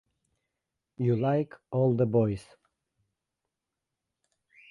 You like all the boys.